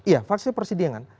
iya fase persidangan